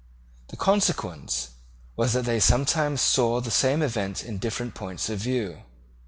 The consequence was that they sometimes saw the same event in different points of view.